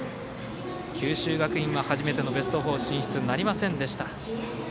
九州学院は初めてのベスト４進出となりませんでした。